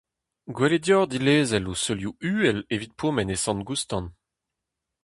Gwell eo deoc'h dilezel o seulioù uhel evit pourmen e Sant-Goustan.